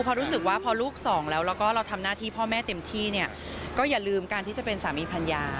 พอรู้สึกว่าพอลูกสองแล้วแล้วก็เราทำหน้าที่พ่อแม่เต็มที่เนี่ยก็อย่าลืมการที่จะเป็นสามีภรรยา